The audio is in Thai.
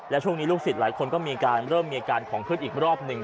และช่วงนี้ลูกศิษย์หลายคนก็มีการเริ่มมีอาการของขึ้นอีกรอบหนึ่ง